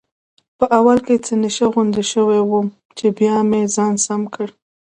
په اول کې څه نشه غوندې شوی وم، چې بیا مې ځان سم کړ.